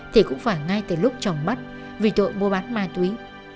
thì cũng phải ngay từ lúc chồng mất vì tội mua bán ma túy